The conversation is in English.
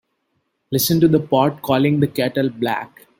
Listen to the pot calling the kettle black.